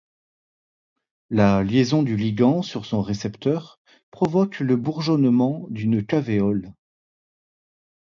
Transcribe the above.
La liaison du ligand sur son récepteur provoque le bourgeonnement d’une cavéole.